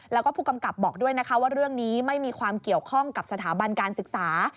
แล้วก็ผู้กำกับบอกด้วยนะคะว่าเรื่องนี้ไม่มีความเกี่ยวข้องกับสถาบันการศึกษา